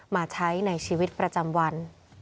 มาใช้ในชีวิตประจำวัน